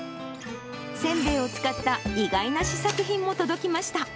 せんべいを使った意外な試作品も届きました。